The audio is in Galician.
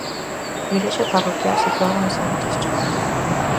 Igrexa parroquial situada en Santiso.